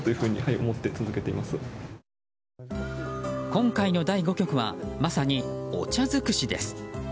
今回の第５局はまさにお茶尽くしです。